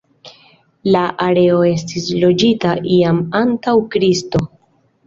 La areo estis loĝita jam antaŭ Kristo.